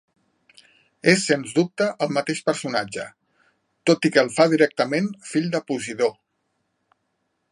És, sens dubte, el mateix personatge, tot i que el fa directament fill de Posidó.